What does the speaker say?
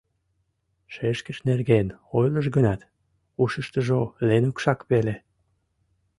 Шешкыж нерген ойлыш гынат, ушыштыжо Ленукшак веле.